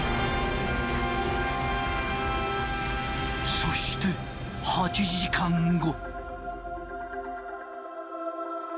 そして８時間後。